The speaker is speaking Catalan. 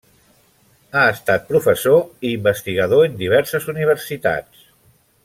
Ha estat professor i investigador en diverses universitats.